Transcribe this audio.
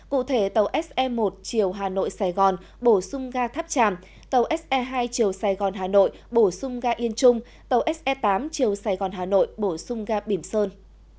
cụ thể tàu se một chiều hà nội sài gòn bổ sung ga tháp tràm tàu se hai chiều sài gòn hà nội bổ sung ga yên trung tàu se tám chiều sài gòn hà nội bổ sung ga bỉm sơn